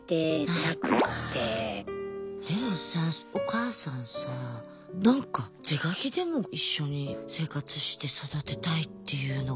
でもさお母さんさなんか是が非でも一緒に生活して育てたいっていうのがすごい強いもんね。